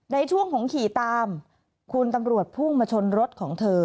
ในช่วงของขี่ตามคุณตำรวจพุ่งมาชนรถของเธอ